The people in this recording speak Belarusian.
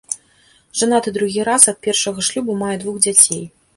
Жанаты другі раз, ад першага шлюбу мае двух дзяцей.